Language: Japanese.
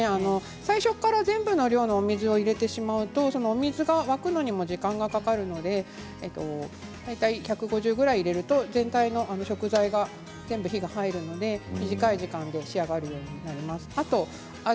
最初から全部の量のお水を入れてしまうとお水が沸くのにも時間がかかるので大体１５０ぐらい入れると全体の食材が全部火が入るので短い時間で仕上がるようになります。